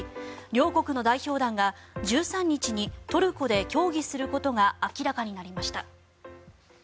両国の代表団が１３日にトルコで協議することが明らかになりました。